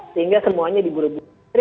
sehingga semuanya di buru buru